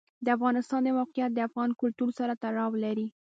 د افغانستان د موقعیت د افغان کلتور سره تړاو لري.